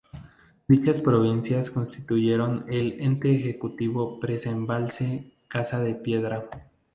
Dichas provincias constituyeron el Ente Ejecutivo Presa Embalse Casa de Piedra.